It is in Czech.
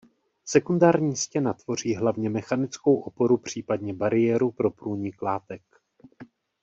Sekundární stěna tvoří hlavně mechanickou oporu případně bariéru pro průnik látek.